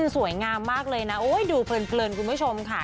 สวยงามมากเลยนะดูเพลินเกลือนคุณผู้ชมค่ะ